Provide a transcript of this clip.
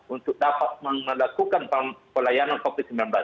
untuk dapat melakukan pelayanan covid sembilan belas